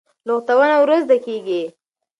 لغتونه ورو زده کېږي.